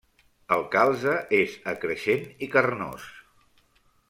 El calze és acreixent i carnós.